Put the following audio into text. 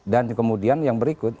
dan kemudian yang berikut